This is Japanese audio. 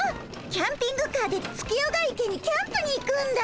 キャンピングカーで月夜が池にキャンプに行くんだ。